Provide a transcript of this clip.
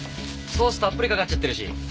ソースたっぷりかかっちゃってるし。